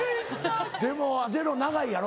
でもゼロ長いやろ？